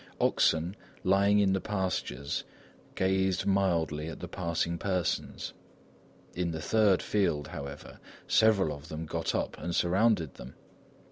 Oxen, lying in the pastures, gazed mildly at the passing persons. In the third field, however, several of them got up and surrounded them.